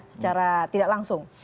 secara tidak langsung